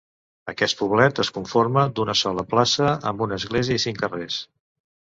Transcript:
Aquest poblet es conforma d'una sola plaça amb una església i cinc carrers.